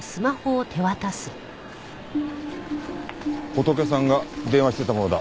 ホトケさんが電話してたものだ。